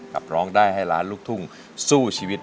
ร้องได้ให้ล้านลูกทุ่งสู้ชีวิต